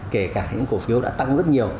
kể cả những cổ phiếu đã tăng rất nhiều